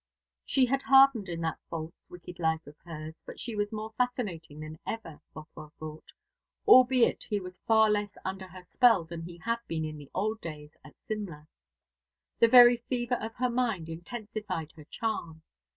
She had hardened in that false wicked life of hers: but she was more fascinating than ever, Bothwell thought, albeit he was far less under her spell than he had been in the old days at Simla. The very fever of her mind intensified her charm.